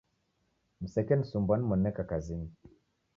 Msekensumbua nimoni neka kazinyi.